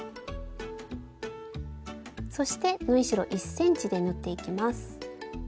そして縫い代１ｃｍで縫っていきます。